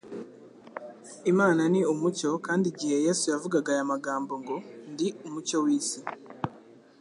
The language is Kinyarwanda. Imana ni umucyo, kandi igihe Yesu yavugaga aya magambo ngo: "Ndi umucyo w'isi"